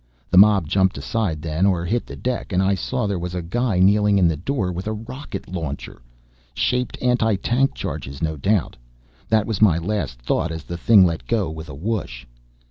The mob jumped aside then or hit the deck and I saw there was a guy kneeling in the door with a rocket launcher. Shaped anti tank charges, no doubt. That was my last thought as the thing let go with a "whoosh."